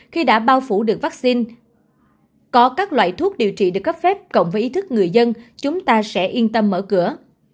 khi đã bao phủ được vaccine có các loại thuốc điều trị được cấp phép cộng với ý thức người dân chúng ta sẽ yên tâm mở cửa